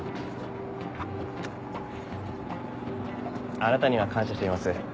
あなたには感謝しています。